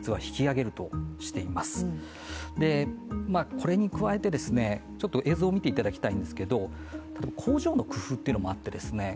これに加えて、映像を見ていただきたいんですけど、工場の工夫というのもあってですね